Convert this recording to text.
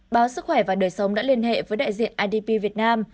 báo sức khỏe và đời sống đã liên hệ với đại diện idp việt nam